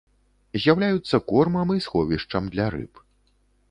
З'яўляюцца кормам і сховішчам для рыб.